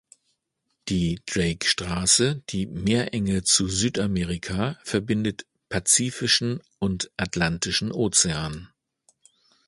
Die Drakestraße, die Meerenge zu Südamerika, verbindet Pazifischen und Atlantischen Ozean.